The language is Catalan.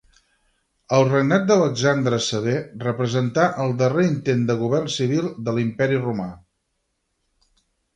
El regnat d'Alexandre Sever representà el darrer intent de govern civil de l'imperi Romà.